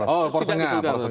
oh pak jk